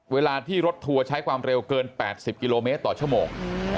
เวลาที่รถทัวร์ใช้ความเร็วเกิน๘๐กิโลเมตรต่อชั่วโมง